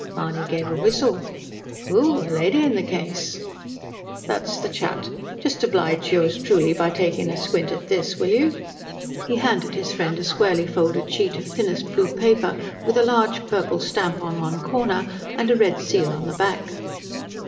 Mahony gave a whistle. "Whew! A lady in the case?" "That's the chat. Just oblige yours truly by takin' a squint at this, will you?" He handed his friend a squarely folded sheet of thinnest blue paper, with a large purple stamp in one corner, and a red seal on the back.